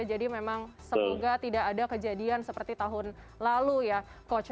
jadi memang semoga tidak ada kejadian seperti tahun lalu ya coach